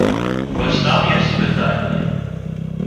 Вось там ёсць пытанні.